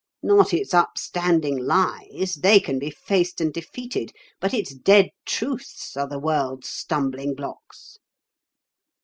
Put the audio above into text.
Not its upstanding lies—they can be faced and defeated—but its dead truths are the world's stumbling blocks.